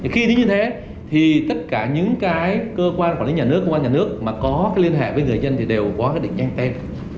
khi như thế thì tất cả những cái cơ quan quản lý nhà nước cơ quan nhà nước mà có cái liên hệ với người dân thì đều có cái định danh tên